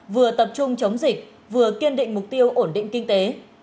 vừa tập trung chống dịch vừa kiên định mục tiêu ổn định kinh tế